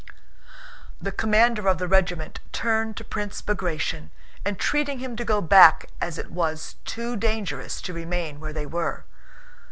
The commander of the regiment turned to Prince Bagratión, entreating him to go back as it was too dangerous to remain where they were.